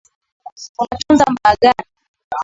Unatunza maagano